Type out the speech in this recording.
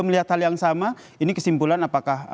melihat hal yang sama ini kesimpulan apakah